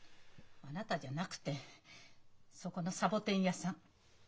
あなたじゃなくてそこのサボテン屋さん。